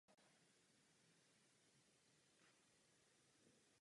V klubu plní funkci hlavního trenéra.